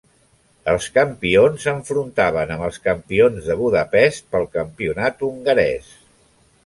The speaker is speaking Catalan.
Els campions s'enfrontaven amb els campions de Budapest pel campionat hongarès.